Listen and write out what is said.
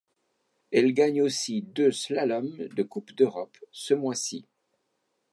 Elle gagne aussi deux slaloms de Coupe d'Europe ce mois-ci.